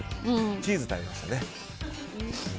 チーズ食べましたね。